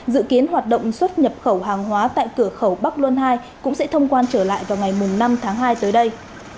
dự kiến hoạt động xuất nhập khẩu hàng hóa tại cửa khẩu bắc luân hai cũng sẽ thông quan trở lại vào ngày năm tháng hai tới đây